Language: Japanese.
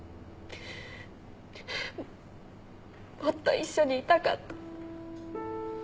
もっと一緒にいたかった。